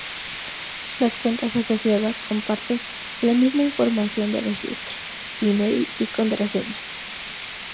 Las cuentas asociadas comparten la misma información de registro: Email y contraseña.